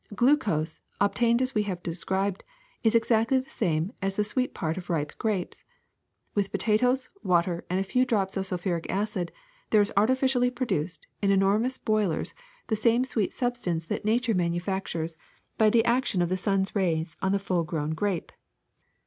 Glucose, ob tained as X have described, is exactly the same as the sweet part of ripe grapes. With potatoes, water, and a few drops of sulphuric acid there is artificially produced, in enormous boilers, the same sweet sub stance that nature manufactures by the action of the STRANGE USES OF STARCH 273 sun's rays on the full grown grape.